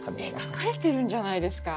書かれてるんじゃないですか。